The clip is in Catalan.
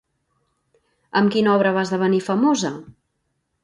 Amb quina obra va esdevenir famosa?